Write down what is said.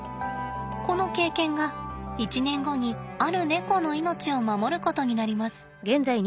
この経験が１年後にあるネコの命を守ることになります。